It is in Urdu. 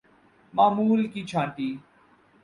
معمول کی چھانٹی